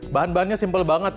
bahan bahannya simple banget